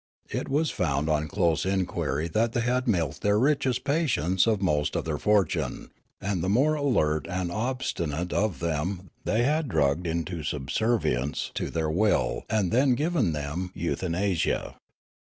It was found on close inquiry that they had milked their richest patients of most of their fortune, and the more alert and obstinate of them they had drugged into subservience to their will and then given them euthanasia.